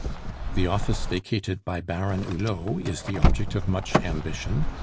"The office vacated by Baron Hulot is the object of much ambition.